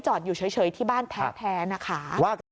อยู่เฉยที่บ้านแท้นะคะ